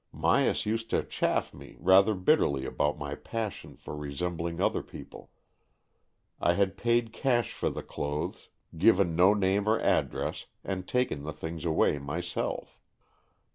Myas used to chaff me rather bitterly about my passion for resembling other people. I had paid cash for the clothes, given no name or address, and taken the things away myself.